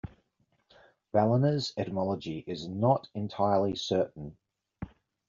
Ballina's etymology is not entirely certain.